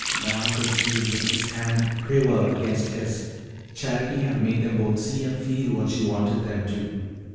Val could feel Ricky's hand quiver against his. Charity had made them both see and feel what she wanted them to.